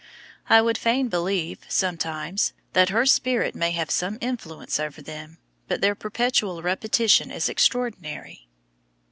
I would fain believe, sometimes, that her spirit may have some influence over them, but their perpetual repetition is extraordinary."